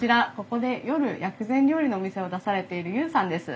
ここで夜薬膳料理のお店を出されている悠さんです。